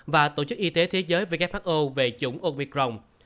và tổ chức y tế thế giới who về chủng ovicrong